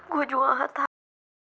gue juga ga tau